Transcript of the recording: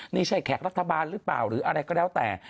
นี่ใช่แขกรัฐบาลหรือเปล่าหรืออะไรก็แล้วแต่